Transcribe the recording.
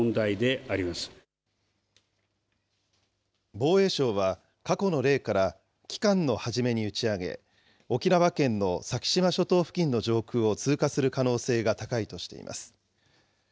防衛省は過去の例から、期間の初めに打ち上げ、沖縄県の先島諸島付近の上空を通過する可能性が高いとしています。